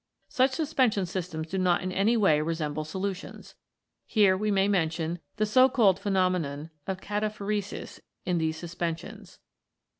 Such suspension systems do not in any way re semble solutions. Here we may mention the so called phenomenon of Cataphoresis in these suspensions.